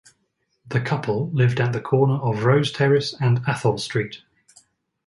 The couple lived at the corner of Rose Terrace and Atholl Street.